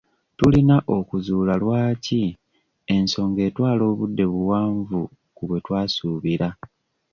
Tulina okuzuula lwaki ensonga etwala obudde buwanvu ku bwe twasuubira.